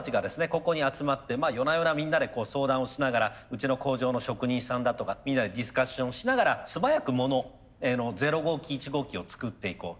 ここに集まって夜な夜なみんなで相談をしながらうちの工場の職人さんだとかみんなでディスカッションしながら素早くモノゼロ号機１号機を作っていこう。